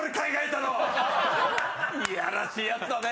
いやらしいやつだね。